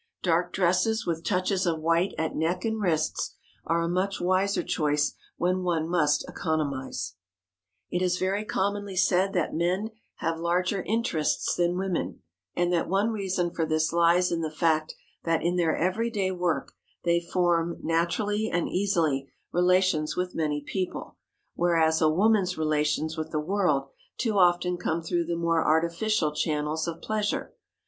Dark dresses, with touches of white at neck and wrists, are a much wiser choice when one must economize. [Sidenote: OPPORTUNITIES IN BUSINESS] It is very commonly said that men have larger interests than women, and that one reason for this lies in the fact that, in their every day work, they form, naturally and easily, relations with many people; whereas a woman's relations with the world too often come through the more artificial channels of pleasure.